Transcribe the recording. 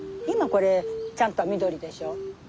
今これちゃんと緑でしょ。